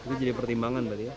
itu jadi pertimbangan berarti ya